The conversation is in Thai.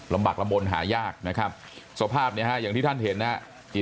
ลำบักละมนต์หายากนะครับสภาพนี้ฮะอย่างที่ท่านเห็นนะฮะ